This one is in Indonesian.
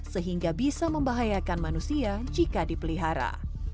sehingga bisa membahayakan manusia jika dipelihara